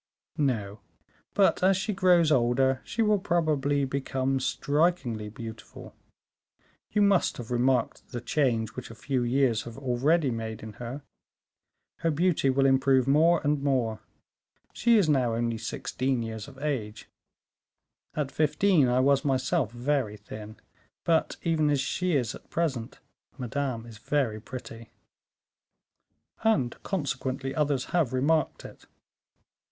"No, but as she grows older, she will probably become strikingly beautiful. You must have remarked the change which a few years have already made in her. Her beauty will improve more and more; she is now only sixteen years of age. At fifteen I was, myself, very thin; but even as she is at present, Madame is very pretty." "And consequently others have remarked it."